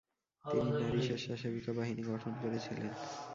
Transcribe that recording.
তিনি নারী স্বেচ্ছাসেবীকা বাহিনী গঠন করেছিলেন।